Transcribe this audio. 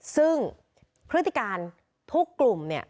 ซึ่งพฤติการทุกกลุ่มเนี่ย